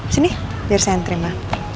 sini biar saya terima